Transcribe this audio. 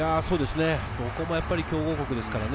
どこも強豪国ですからね。